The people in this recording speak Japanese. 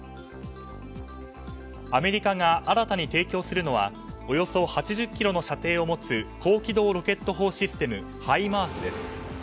アメリカが新たに提供するのはおよそ８０ｋｍの射程を持つ高機動ロケット砲システムＨＩＭＡＲＳです。